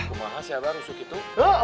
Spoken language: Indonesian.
kumaha siapa rusuh itu